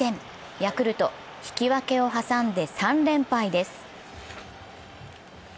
ヤクルト、引き分けを挟んで３連敗です。